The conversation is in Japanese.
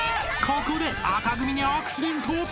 ［ここで紅組にアクシデント］